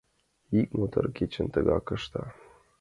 Ик мотор кечын тыгак ышта.